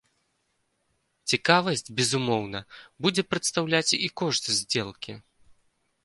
Цікавасць, безумоўна, будзе прадстаўляць і кошт здзелкі.